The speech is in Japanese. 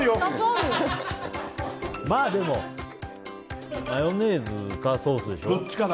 でもマヨネーズかソースでしょ。